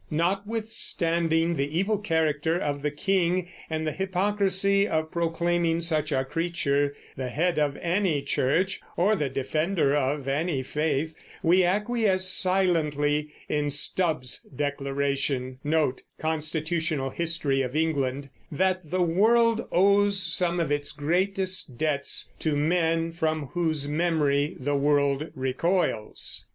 Notwithstanding the evil character of the king and the hypocrisy of proclaiming such a creature the head of any church or the defender of any faith, we acquiesce silently in Stubb's declaration that "the world owes some of its greatest debts to men from whose memory the world recoils."